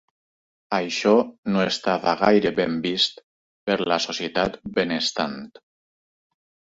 Això no estava gaire ben vist per la societat ben estant.